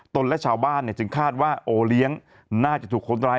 และชาวบ้านจึงคาดว่าโอเลี้ยงน่าจะถูกคนร้าย